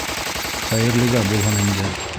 Хәйерлегә булһын инде.